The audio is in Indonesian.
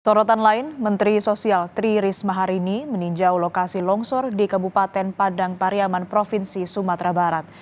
sorotan lain menteri sosial tri risma hari ini meninjau lokasi longsor di kabupaten padang pariaman provinsi sumatera barat